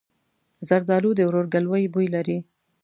زردالو د ورورګلوۍ بوی لري.